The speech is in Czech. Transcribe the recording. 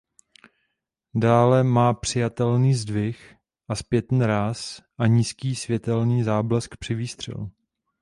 Dále má přijatelný zdvih a zpětný ráz a nízký světelný záblesk při výstřelu.